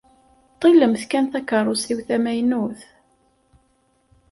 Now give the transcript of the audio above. Ṭillemt kan takeṛṛust-iw tamaynut.